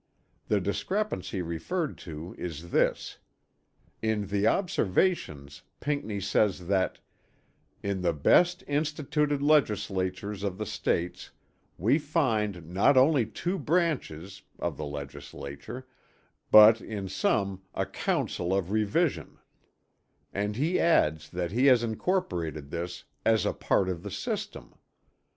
The discrepancy referred to is this: In the Observations Pinckney says that, "in the best instituted Legislatures of the States we find not only two branches [of the legislature] but in some 'a council of revision'"; and he adds that he has incorporated this "as a part of the system."